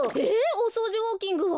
おそうじウォーキングは？